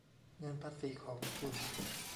เงินภาษีของคุณ